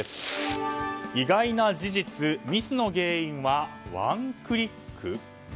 意外な事実ミスの原因はワンクリック？